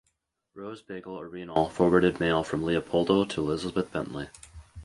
Rose Beigel Arenal forwarded mail from Leopoldo to Elizabeth Bentley.